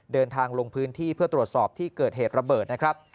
เดินทางลงพื้นที่เพื่อตรวจสอบที่เกิดเหตุระเบิดนะครับ